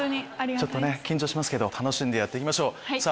ちょっとね緊張しますけど楽しんでやって行きましょうさぁ